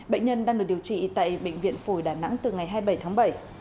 bệnh nhân đang được điều trị tại bệnh viện phổi đà nẵng từ ngày hai mươi bảy tháng bảy